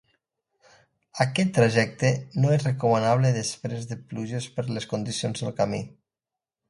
Aquest trajecte no és recomanable després de pluges per les condicions del camí.